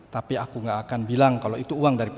tapi aku gak akan bilang kalau itu uang daripada